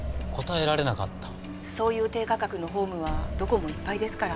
そういう低価格のホームはどこもいっぱいですから。